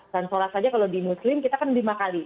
dan sholat saja kalau di muslim kita kan lima kali